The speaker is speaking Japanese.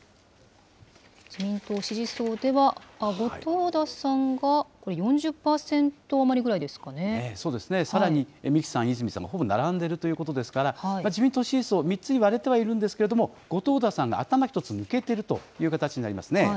自民党支持層では後藤田さんがこれ、さらに三木さん、飯泉さんも、ほぼ並んでるということですから、自民党支持層、３つに割れてはいるんですけれども、後藤田さんが頭一つ、抜けているという形になりますね。